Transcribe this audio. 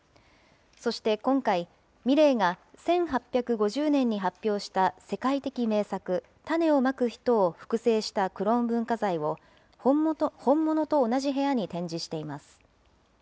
そして今回、ミレーが１８５０年に発表した世界的名作、種をまく人を複製したクローン文化財を、本物と同じ部屋に展示しています。